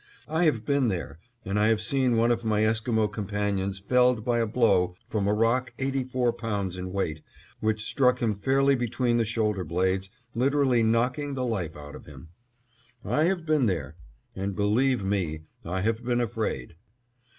I have been there and I have seen one of my Esquimo companions felled by a blow from a rock eighty four pounds in weight, which struck him fairly between the shoulder blades, literally knocking the life out of him. I have been there, and believe me, I have been afraid.